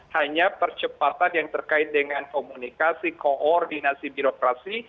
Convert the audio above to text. hanya percepatan yang terkait dengan komunikasi koordinasi birokrasi